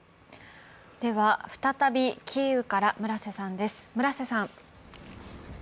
再び、キーウから村瀬さんです。